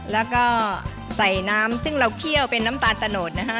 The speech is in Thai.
แล้วก็ใส่น้ำซึ่งเราเคี่ยวเป็นน้ำตาลตะโนดนะฮะ